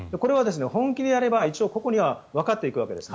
本気でやれば、個々にはわかっていくわけです。